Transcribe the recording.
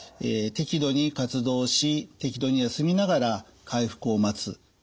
適度に活動し適度に休みながら回復を待つ。